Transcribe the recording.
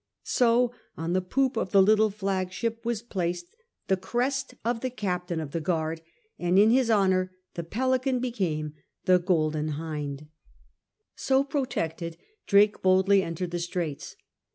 So on the poop of the little flagship was placed CHAP. VI IN THE STRAITS OF MAGELLAN 77 the crest of the Captain of the Guard, and in his honour the Pelican became the Golden Hijid, So protected, Drake boldly entered the Straits.